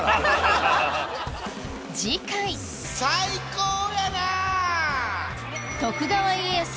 次回最高やな！